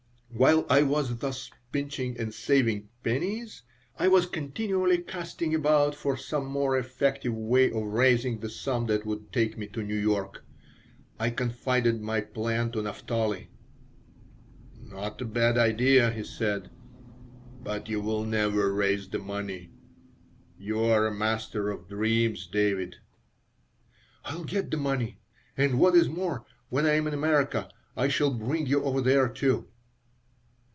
While I was thus pinching and saving pennies I was continually casting about for some more effective way of raising the sum that would take me to New York. I confided my plan to Naphtali. "Not a bad idea," he said, "but you will never raise the money. You are a master of dreams, David." "I'll get the money, and, what is more, when I am in America I shall bring you over there, too."